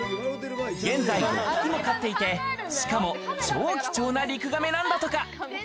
現在６匹を飼っていて、しかも超貴重なリクガメなんだとか。